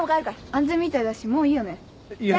安全みたいだしもういいよね。